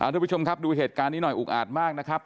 ทุกผู้ชมครับดูเหตุการณ์นี้หน่อยอุกอาจมากนะครับ